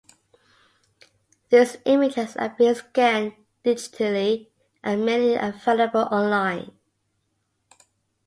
These images are being scanned digitally, and many are available online.